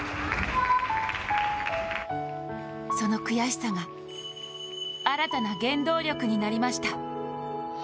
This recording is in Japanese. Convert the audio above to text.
その悔しさが新たな原動力になりました。